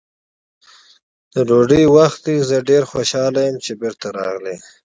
د ډوډۍ وخت دی، زه ډېر خوشحاله یم چې بېرته راغلې.